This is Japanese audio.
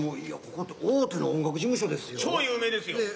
いやここって大手の音楽事務所ですよ。